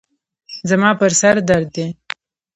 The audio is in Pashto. زما پر سر درد دی.